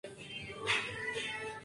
Ernst Albrecht